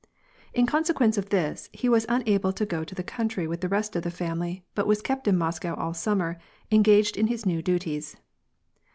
In consequence of this, he was unable to go to the country with the rest of the f^imily, but was kept in Moscow all sum mer, engaged in his new duties.